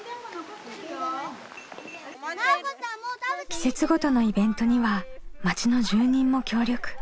季節ごとのイベントには町の住人も協力。